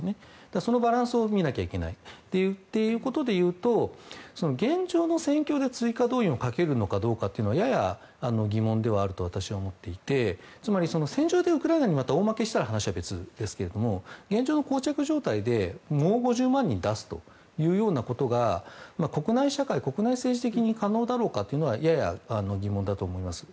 そのバランスを見なければいけないということで言うと現状の戦況で追加動員をかけるかはやや疑問ではあると私は思っていてつまり戦場でウクライナに大負けしたら話は別ですけども現状、膠着状態でもう５０万人出すということが国内社会、国内政治的に可能だろうかはやや疑問だと思います。